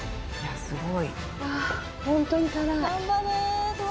すごい！